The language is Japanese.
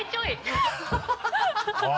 ハハハ